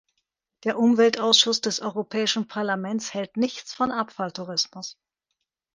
Der Umweltausschuss des Europäischen Parlaments hält nichts von Abfalltourismus.